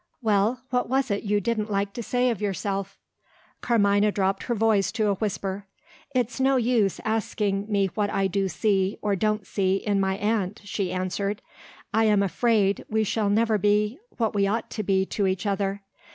Well, what was it you didn't like to say of yourself?" Carmina dropped her voice to a whisper. "It's no use asking me what I do see, or don't see, in my aunt," she answered. "I am afraid we shall never be what we ought to be to each other.